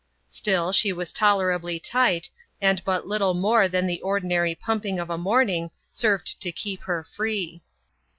StiU, she was tolerably tight, and but little more than the ordinary pumping of a morning served to keep her free.